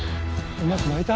うまく撒いた？